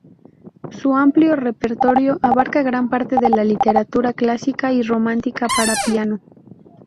Su amplio repertorio abarca gran parte de la literatura clásica y romántica para piano.